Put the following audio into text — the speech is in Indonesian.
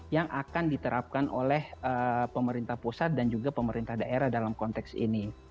yang akan diterapkan oleh pemerintah pusat dan juga pemerintah daerah dalam konteks ini